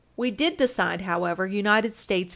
We did decide, however, United States v.